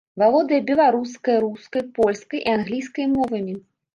Валодае беларускай, рускай, польскай і англійскай мовамі.